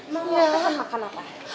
mau makan apa